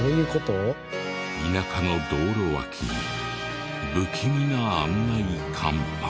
田舎の道路脇に不気味な案内看板。